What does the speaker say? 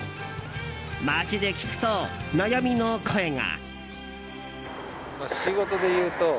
街で聞くと悩みの声が。